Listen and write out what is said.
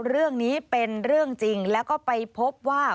เรื่องนี้เป็นเรื่องจริงแล้วก็ไปพบว่า